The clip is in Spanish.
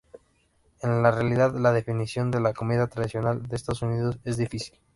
En la realidad, la definición de la "comida tradicional de Estados Unidos" es difícil.